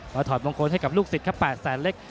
ถอดมงคลให้กับลูกศิษย์ครับ๘แสนเล็ก